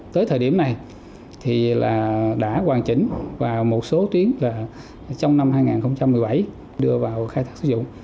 tới thời điểm này thì đã hoàn chỉnh và một số tuyến là trong năm hai nghìn một mươi bảy đưa vào khai thác sử dụng